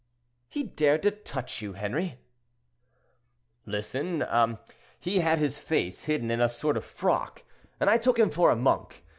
"He dared to touch you, Henri?" "Listen; he had his face hidden in a sort of frock, and I took him for a monk.